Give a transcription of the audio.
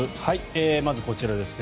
まず、こちらですね。